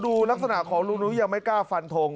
ดูลักษณะของลุงนุ้ยยังไม่กล้าฟันทง